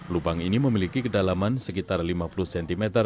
lubang ini memiliki kedalaman sekitar lima puluh cm